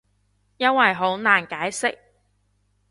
因為好難解釋